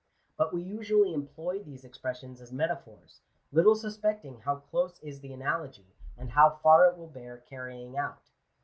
But we usually employ these expressions as metaphors, little suspecting how close is the analogy; and how far it will bear carrying out.